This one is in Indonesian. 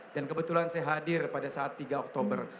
dan kebetulan saya hadir pada saat tiga oktober